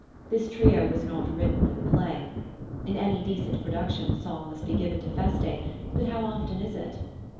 This trio was not written for the play. In any decent production the song must be given to Feste, but how often is it?